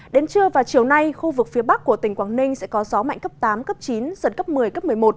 đến trưa và chiều nay khu vực phía bắc của tỉnh quảng ninh sẽ có gió mạnh cấp tám cấp chín giật cấp một mươi cấp một mươi một